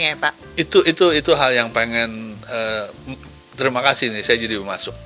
itu hal yang pengen terima kasih nih saya jadi memasuk